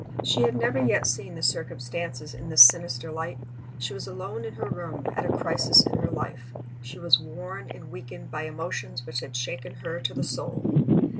She had never yet seen the circumstances in this sinister light. She was alone in her room, at a crisis in her life. She was worn and weakened by emotions which had shaken her to the soul.